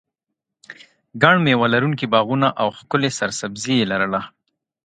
ګڼ مېوه لرونکي باغونه او ښکلې سرسبزي یې لرله.